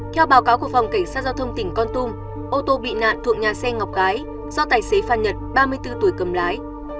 theo báo cáo của phòng cảnh sát giao thông tỉnh con tum ô tô bị nạn thuộc nhà xe ngọc gái do tài xế phan nhật ba mươi bốn tuổi cầm lái